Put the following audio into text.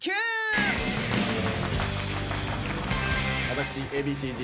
私Ａ．Ｂ．Ｃ−Ｚ